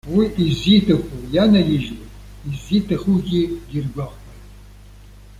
Уи иззиҭаху ианаижьуеит, иззиҭахугьы диргәаҟуеит.